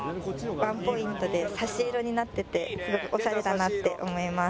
ワンポイントで差し色になっててすごくオシャレだなって思います。